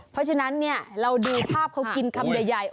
เพราะฉะนั้นเราดูภาพเขากินคำใหญ่